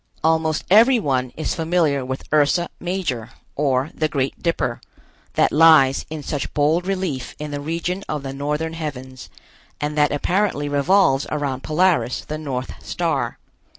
Almost everyone is familiar with Ursa Major, or the Great Dipper, that lies in such bold relief in the region of the northern heavens, and that apparently revolves around Polaris, the North Star.